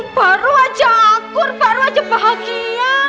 baru aja akur baru aja bahagia